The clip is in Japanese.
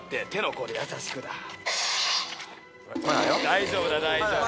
大丈夫だ大丈夫だ。